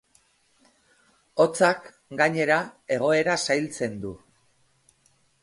Hotzak, gainera, egoera zailtzen du.